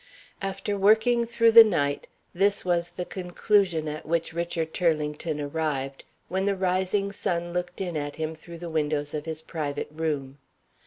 After working through the night, this was the conclusion at which Richard Turlington arrived, when the rising sun looked in at him through the windows of his private room.